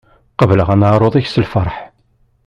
Qebleɣ aneɛṛuḍ-ik s lfeṛḥ.